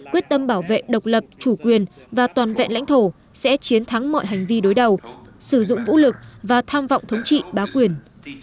quyết tâm bảo vệ độc lập chủ quyền và toàn vẹn lãnh thổ sẽ chiến thắng mọi hành vi đối đầu sử dụng vũ lực và tham vọng thống trị bá quyền